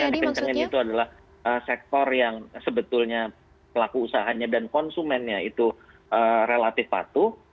jadi yang dikenakan itu adalah sektor yang sebetulnya pelaku usahanya dan konsumennya itu relatif patuh